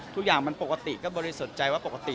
ทุกอย่างมันปกติก็บริสุทธิ์ใจว่าปกติ